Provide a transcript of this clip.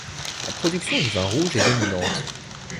La production du vin rouge est dominante.